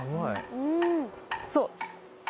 そう！